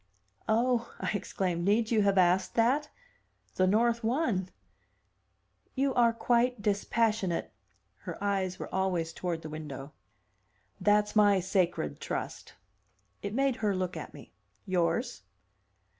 "Oh!" I exclaimed. "Need you have asked that? The North won." "You are quite dispassionate!" Her eyes were always toward the window. "That's my 'sacred trust.'" It made her look at me. "Yours?"